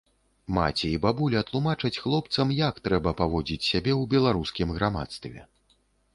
Маці і бабуля тлумачаць хлопцам, як трэба паводзіць сябе ў беларускім грамадстве.